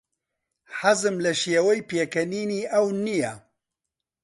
حەزم لە شێوەی پێکەنینی ئەو نییە.